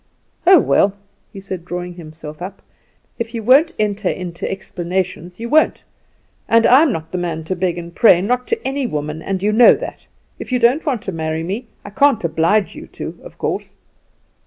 "Oh, well," he said, drawing himself up, "if you won't enter into explanations you won't; and I'm not the man to beg and pray not to any woman, and you know that! If you don't want to marry me I can't oblige you to, of course."